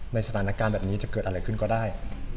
สถานการณ์แบบนี้จะเกิดอะไรขึ้นก็ได้